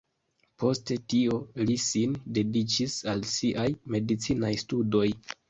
Poste tio li sin dediĉis al siaj medicinaj studoj.